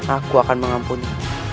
aku akan mengampuni